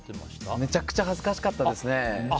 めちゃくちゃ恥ずかしかったですね。